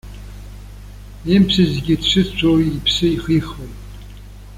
Имԥсызгьы дшыцәоу иԥсы ихихуеит.